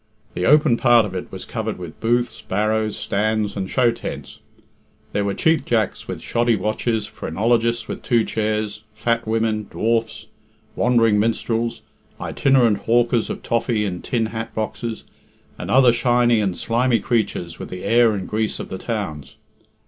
The open part of it was covered with booths, barrows, stands, and show tents. There were cheap jacks with shoddy watches, phrenologists with two chairs, fat women, dwarfs, wandering minstrels, itinerant hawkers of toffee in tin hat boxes, and other shiny and slimy creatures with the air and grease of the towns.